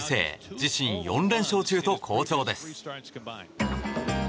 自身４連勝中と好調です。